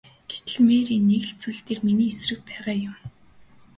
Гэтэл Мэри нэг л зүйл дээр миний эсрэг байгаа юм.